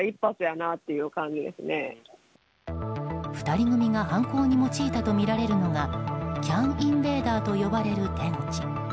２人組が犯行に用いたとみられるのがＣＡＮインベーダーと呼ばれる手口。